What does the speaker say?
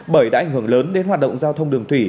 bởi đã ảnh hưởng lớn đến hoạt động giao thông đường thủy